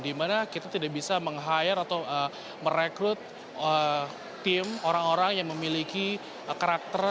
dimana kita tidak bisa meng hire atau merekrut tim orang orang yang memiliki karakter